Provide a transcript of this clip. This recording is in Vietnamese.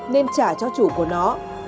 nên trả cho chủ của nó